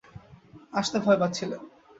আসতে ভয় পাচ্ছিলেন।